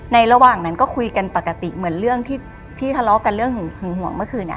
ระหว่างนั้นก็คุยกันปกติเหมือนเรื่องที่ทะเลาะกันเรื่องหึงห่วงเมื่อคืน